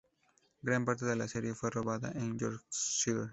Gran parte de la serie fue rodada en Yorkshire.